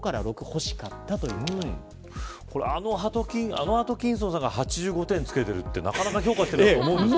あのアトキンソンさんが８５点をつけてるってなかなか評価してると思うんですけど。